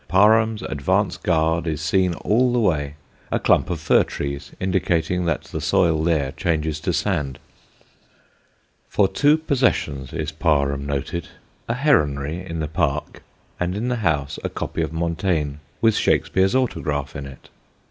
Parham's advance guard is seen all the way a clump of fir trees, indicating that the soil there changes to sand. [Sidenote: A NOBLE DAME] For two possessions is Parham noted: a heronry in the park, and in the house a copy of Montaigne with Shakespeare's autograph in it.